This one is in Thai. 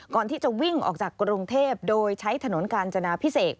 ก่อนที่จะวิ่งออกจากกรุงเทพโดยใช้ถนนกาญจนาพิเศษ